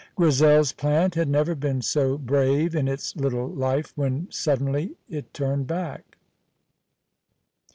Grizel's plant had never been so brave in its little life when suddenly it turned back.